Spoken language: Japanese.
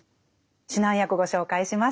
指南役ご紹介します。